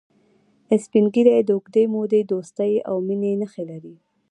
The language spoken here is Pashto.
سپین ږیری د اوږدې مودې دوستی او مینې نښې لري